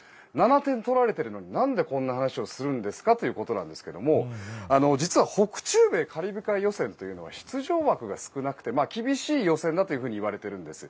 ７点取られているのに何でこんな話をするんですかということですが実は、北中米カリブ海予選というのは出場枠が少なくて厳しい予選だといわれています。